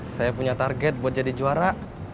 saya punya target buat jadi juara